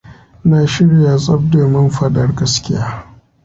Na shirya tsaf domini fadar gaskiya.